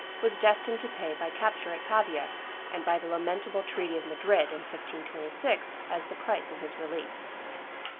was destined to pay by capture at Pavia and by the lamentable treaty of Madrid, in 1526, as the price of his release.